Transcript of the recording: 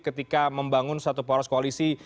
ketika membangun satu poros koalisi